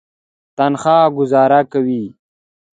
تنخوا ګوزاره کوي.